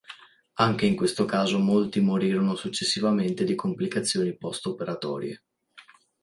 Anche in questo caso molti morirono successivamente di complicazioni post-operatorie.